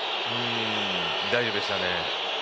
大丈夫でしたね。